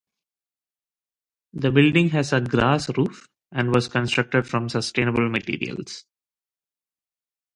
The building has a grass roof and was constructed from sustainable materials.